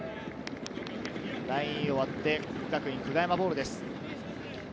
ラインを割って國學院久我山ボールです。